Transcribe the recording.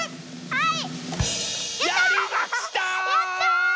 はい！